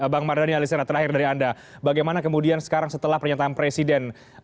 bang mardhani alisera terakhir dari anda bagaimana kemudian sekarang setelah pernyataan presiden